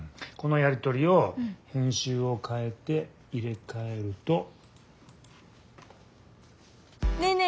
このやり取りを編集をかえて入れかえると。